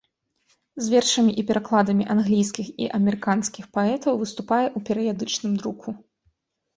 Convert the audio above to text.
З вершамі і перакладамі англійскіх і амерыканскіх паэтаў выступае ў перыядычным друку.